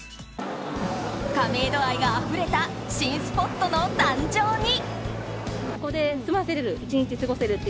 亀戸愛があふれた新スポットの誕生に。